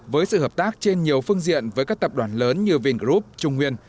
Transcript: với sự hợp tác trên nhiều phương diện với các tập đoàn lớn như vingroup trung nguyên